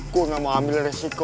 aku gak mau ambil resiko